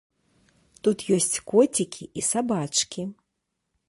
Тут ёсць коцікі і сабачкі.